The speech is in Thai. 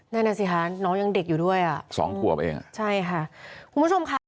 แน่นอนสิคะน้องยังเด็กอยู่ด้วยสองกวบเองใช่ค่ะคุณผู้ชมค่ะ